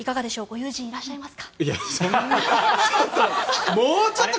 ご友人、いらっしゃいますか？